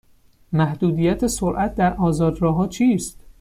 محدودیت سرعت در آزاد راه ها چیست؟